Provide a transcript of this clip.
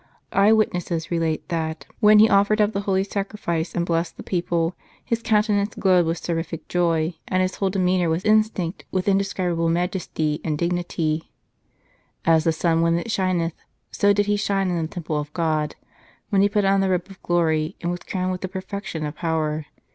Eyewitnesses relate that, when 226 His House in Order he offered up the Holy Sacrifice and blessed the people, his countenance glowed with seraphic joy, and his whole demeanour was instinct with in describable majesty and dignity :" As the sun when it shineth, so did he shine in the temple of God, when he put on the robe of glory and was crowned with the perfection of power.